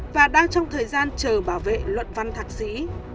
và đang trong thời gian chờ bảo vệ luận văn thạc sĩ